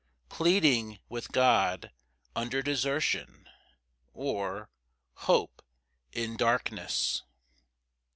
Pleading with God under desertion; or, Hope, in darkness.